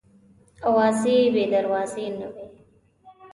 اوازې بې دروازې نه وي.